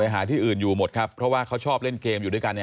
หาที่อื่นอยู่หมดครับเพราะว่าเขาชอบเล่นเกมอยู่ด้วยกันเนี่ย